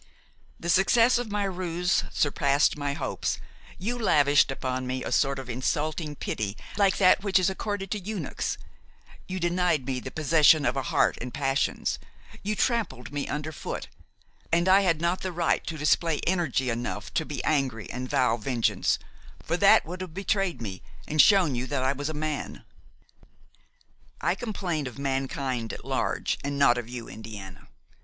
The success of my ruse surpassed my hopes; you lavished upon me a sort of insulting pity like that which is accorded to eunuchs; you denied me the possession of a heart and passions; you trampled me under foot, and I had not the right to display energy enough to be angry and vow vengeance, for that would have betrayed me and shown you that I was a man. "I complain of mankind at large and not of you, Indiana.